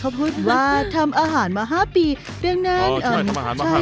ก็ไปที่ข้างนั้น